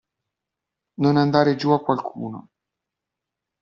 Non andare giù a qualcuno.